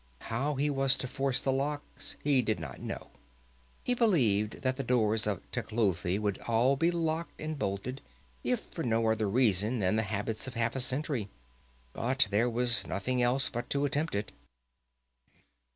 How he was to force the locks he did not know; he believed that the doors of Tecuhltli would all be locked and bolted, if for no other reason than the habits of half a century. But there was nothing else but to attempt it.